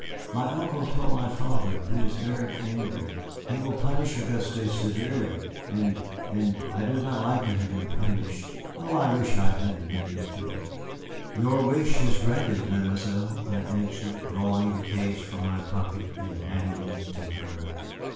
My uncle told my father, who is very angry. He will punish Auguste severely, and I do not like to have him punished. Oh, I wish I had the miniature." "Your wish is granted, Mademoiselle," I answered, drawing the case from my pocket and handing it to her.